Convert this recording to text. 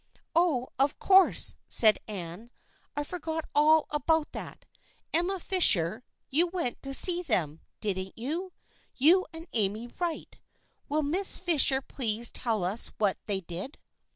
" Oh, of course," said Anne. " I forgot all about that. Emma Fisher, you went to see them, didn't you ? You and Amy Wright. Will Miss Fisher please tell us what they did